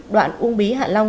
đoạn ung bí hạ long